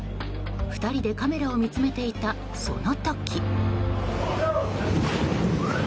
２人でカメラを見つめていたその時。